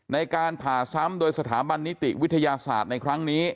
ในการผ่าซ้ำโดยสถาบันนิติวิทยาศาสตร์ในครั้งนี้